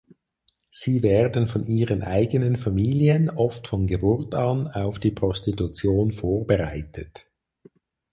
Sie werden von ihren eigenen Familien oft von Geburt an auf die Prostitution vorbereitet.